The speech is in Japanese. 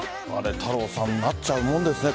太郎さんなっちゃうもんですね